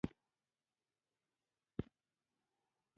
خاوره د افغانستان د انرژۍ سکتور یوه ډېره مهمه برخه ده.